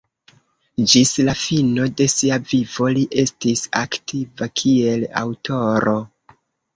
Ĝis la fino de sia vivo, li estis aktiva kiel aŭtoro.